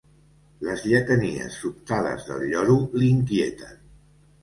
Les lletanies sobtades del lloro l'inquieten.